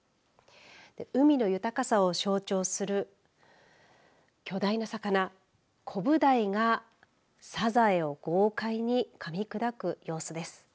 海の豊かさを象徴する巨大な魚コブダイがさざえを豪快にかみ砕く様子です。